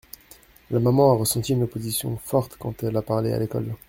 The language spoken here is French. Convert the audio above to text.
La maman a ressenti une opposition forte quand elle a parlé à l’école.